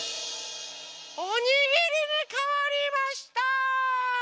おにぎりにかわりました！